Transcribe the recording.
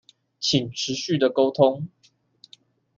請持續的溝通